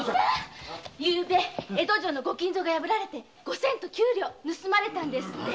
昨夜江戸城の御金蔵が破られて五千と九両盗まれたんですって！